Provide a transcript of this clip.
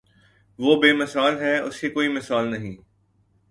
وہ بے مثال ہے اس کی کوئی مثال نہیں